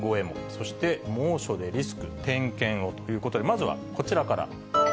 そして、猛暑でリスク、点検をということで、まずはこちらから。